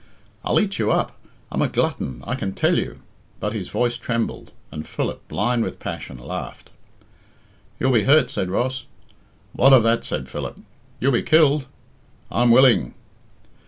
"I'll eat you up. I'm a glutton, I can tell you." But his voice trembled, and Philip, blind with passion, laughed. "You'll be hurt," said Ross. "What of that?" said Philip. "You'll be killed." "I'm willing."